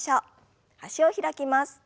脚を開きます。